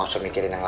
masuk kuliah dulu